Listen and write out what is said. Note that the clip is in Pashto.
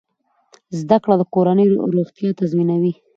زده کړه د کورنۍ روغتیا تضمینوي۔